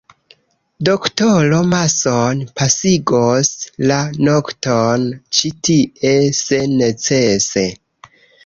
Doktoro Mason pasigos la nokton ĉi tie, se necese.